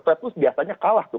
the fed tuh biasanya kalah tuh